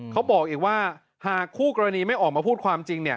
เขาบอกอีกว่าหากคู่กรณีไม่ออกมาพูดความจริง